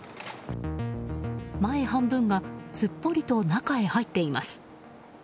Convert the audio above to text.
前半分がすっぽりと中へ入っています。